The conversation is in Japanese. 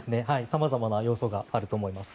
様々な要素があると思います。